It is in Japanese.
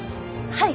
はい。